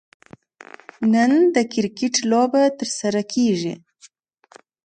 نن د کرکټ لوبه ترسره کیږي